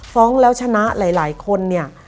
ฟ้องแล้วชนะหลายคนเนี่ย